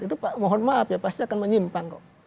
itu pak mohon maaf ya pasti akan menyimpan kok